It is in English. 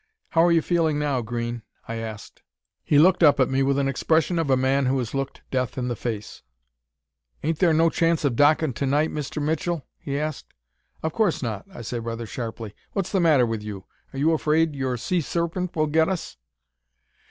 "'How are you feeling now, Green?' I asked. "He looked up at me with an expression of a man who has looked death in the face. "'Ain't there no chance of dockin' to night, Mr. Mitchell?' he asked. "'Of course not,' I said rather sharply. 'What's the matter with you? Are you afraid your sea serpent will get us?'